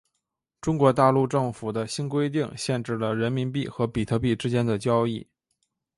中国大陆政府的新规定限制了人民币和比特币之间的交易。